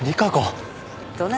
どなた？